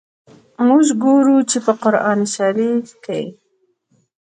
موږ ګورو چي، په قرآن شریف کي.